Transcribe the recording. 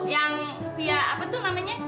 yang ya apa tuh namanya